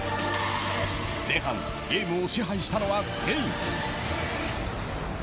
前半ゲームを支配したのはスペイン。